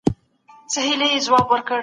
زه باید د پیغامونو ترتیب وساتم.